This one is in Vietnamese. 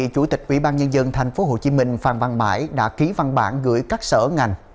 chủ tịch ubnd tp hcm phan văn mãi đã ký văn bản gửi các sở ngành